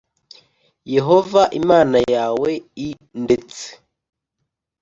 Yehova Imana yawe i ndetse